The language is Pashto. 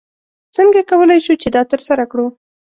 څنګه کولی شو چې دا ترسره کړو؟